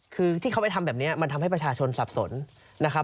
คือที่เขาไปทำแบบนี้มันทำให้ประชาชนสับสนนะครับ